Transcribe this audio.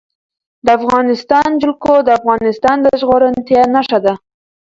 د افغانستان جلکو د افغانستان د زرغونتیا نښه ده.